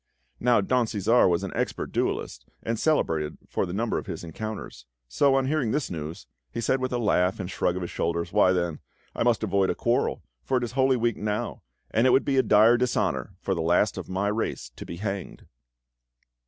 Now Don Cæsar was an expert duellist, and celebrated for the number of his encounters; so on hearing this news, he said with a laugh and shrug of his shoulders: "Why, then, I must avoid a quarrel, for it is Holy Week now, and it would be a dire dishonour for the last of my race to be hanged!"